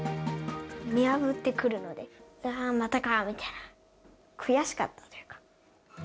見破ってくるので、またかぁみたいな、悔しかったというか。